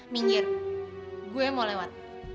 minggir gue mau lewat